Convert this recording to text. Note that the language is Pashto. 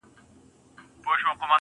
ستا د تن سايه مي په وجود كي ده.